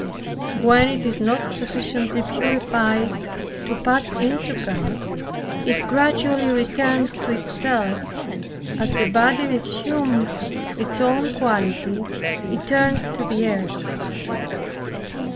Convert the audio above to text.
When it is not sufficiently purified to pass into God, it gradually returns to itself; as the body resumes its own quality, it turns to the earth.